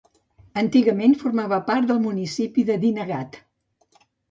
Antigament formava part del municipi de Dinagat.